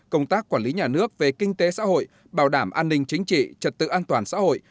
công tác quản lý nhà nước về kinh tế xã hội bảo đảm an ninh chính trị trật tự an toàn xã hội